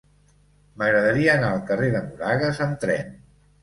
M'agradaria anar al carrer de Moragas amb tren.